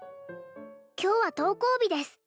今日は登校日です